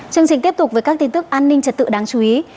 chương trình tiếp tục với các tin tức an ninh trật tự đáng chú ý